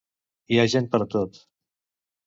Hi ha gent per a tot.